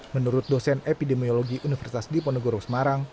menurut dosen epidemiologi universitas diponegoro semarang